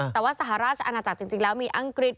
แต่ว่าสหราชอาณาจักรจริงแล้วมีอังกฤษ